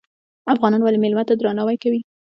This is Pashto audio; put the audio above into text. افغانان ولې میلمه ته درناوی کوي؟